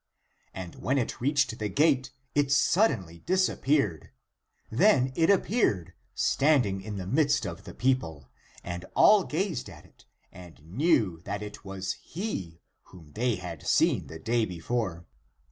And when it reached the gate, it suddenly disappeared. Then it appeared standing in the midst of the people, and all gazed at it and knew that it was he, whom they had seen the day before.